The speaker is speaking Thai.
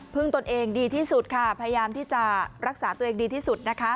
ตนเองดีที่สุดค่ะพยายามที่จะรักษาตัวเองดีที่สุดนะคะ